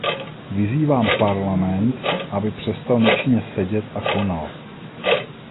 Vyzývám Parlament, aby přestal nečinně sedět a konal.